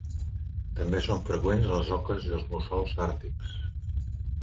També són freqüents les oques i els mussols àrtics.